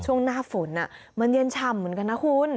ช่วงหน้าฝนมันเย็นฉ่ำเหมือนกันนะคุณ